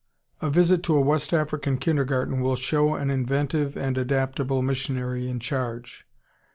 ] A visit to a West African Kindergarten will show an inventive and adaptable missionary in charge.